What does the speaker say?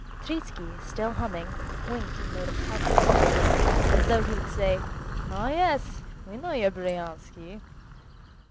Petritsky, still humming, winked and made a pout with his lips, as though he would say: "Oh, yes, we know your Bryansky."